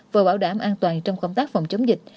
vừa bảo đảm an toàn trong công tác phòng chống dịch